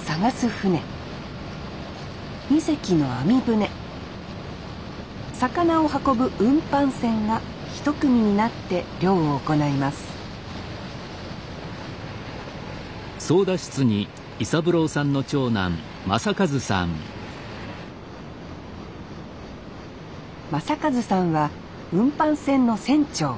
船２隻の網船魚を運ぶ運搬船が一組になって漁を行います将和さんは運搬船の船長。